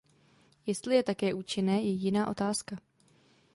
Jestli je také účinné, je jiná otázka.